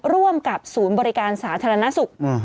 ร่วมกับศูนย์บริการสาธารณสุข